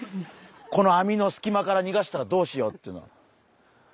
この網のすき間からにがしたらどうしようっていうの。